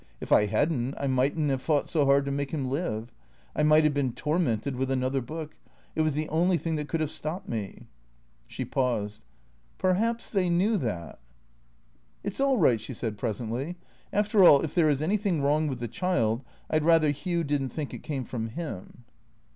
If I had n't I might n't have fought so hard to make him live. I might have been tor mented with another book. It was the only thing that could have stopped me." She paused. " Perhaps — they knew that." " It 's all right," she said presently. " After all, if there is anything wrong with the child, I 'd rather Hugh did n't think it came from him."